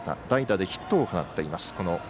代打でヒットを放っています。